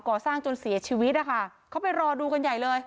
จนเสียชีวิตนะคะเขาไปรอดูกันใหญ่เลย